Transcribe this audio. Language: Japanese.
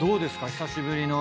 久しぶりの。